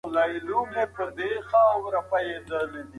د هلمند په سیند کي د اوبو کچه لوړه سوې ده.